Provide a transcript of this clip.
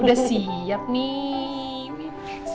udah siap nih